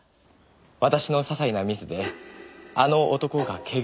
「私のささいなミスであの男が怪我をした」